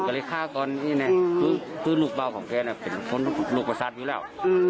คนก็เลยฆ่าก่อนดี้นะขึ้นคือลูกเบาของแกน่ะเพียงคนลูกประสาทอยู่แล้ว